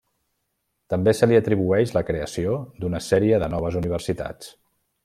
També se li atribueix la creació d'una sèrie de noves universitats.